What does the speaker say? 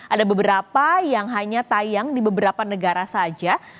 ada beberapa yang hanya tayang di beberapa negara saja